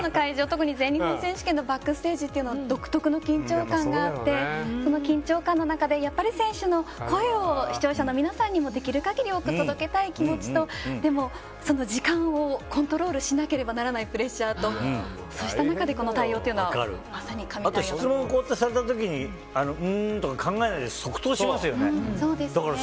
特に全日本選手権のバックステージというのは独特の緊張感があってその緊張感の中でやっぱり選手の声を視聴者の皆さんにもできる限り多く届けたい気持ちとでも、時間をコントロールしなければならないプレッシャーとそうした中でこの対応というのはまさに神対応ですね。